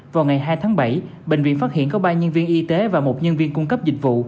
vào ngày hai tháng bảy bệnh viện phát hiện có ba nhân viên y tế và một nhân viên cung cấp dịch vụ